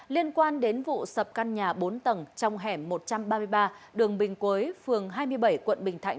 liên quan đến vụ sập căn nhà bốn tầng trong hẻm một trăm ba mươi ba đường bình quế phường hai mươi bảy quận bình thạnh